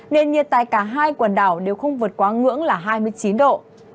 nền nhiệt tại cả hai quần đảo đều không vượt quá ngưỡng là hai mươi chín độ